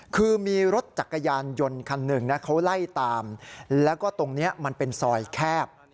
คือมีรถจักรยานยนต์คันหนึ่งนะเขาไล่ตามแล้วก็ตรงนี้มันเป็นซอยแคบ